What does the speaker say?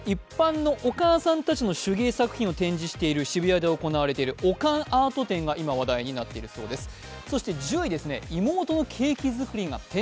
こちらは一般のお母さんたちの手芸作品を展示している渋谷で行われているおかんアート展が今、話題になっているそうです。